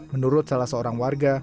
menurut salah seorang warga